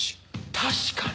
確かに！